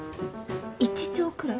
一畳くらい？